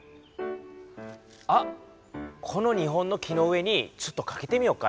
あっこの２本の木の上にかけてみよっかな。